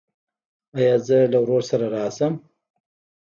ایا زه له ورور سره راشم؟